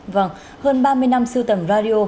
vâng hơn ba mươi năm sưu tập radio